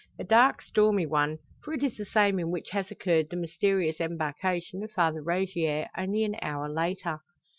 A dark stormy one; for it is the same in which has occurred the mysterious embarkation of Father Rogier, only an hour later.